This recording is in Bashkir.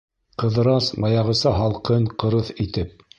Ҡыҙырас баяғыса һалҡын, ҡырыҫ итеп: